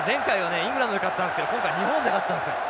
イングランドで勝ったんですけど今回は日本で勝ったんですよ。